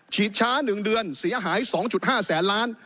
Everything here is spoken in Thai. ฉีดช้า๑เดือนเสียหาย๒๕แสนล้าน